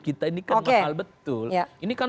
kita ini kan mahal betul ini kan